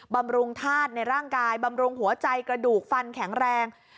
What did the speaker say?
บำรุงธาตุในร่างกายบำรุงหัวใจกระดูกฟันแข็งแรง